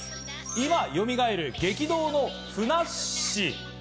今、よみがえる激動のふなっ史。